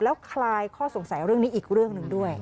แล้วคลายข้อสงสัยเรื่องนี้อีกเรื่องหนึ่งด้วย